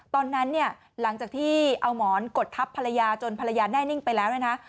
ตอนนั้นเนี่ยหลังจากที่เอาหมอนกดทับภรรยาจนภรรยาแน่นิ่งไปแล้วเนี่ยนะ